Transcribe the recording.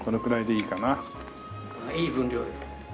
いい分量ですね。